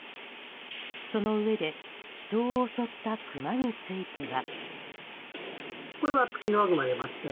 そのうえで人を襲ったクマについては。